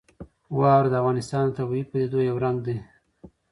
واوره د افغانستان د طبیعي پدیدو یو رنګ دی.